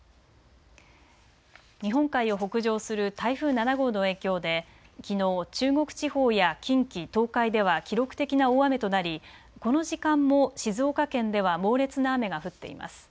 日本海を北上する台風７号の影響できのう中国地方や近畿、東海では記録的な大雨となりこの時間も静岡県では猛烈な雨が降っています。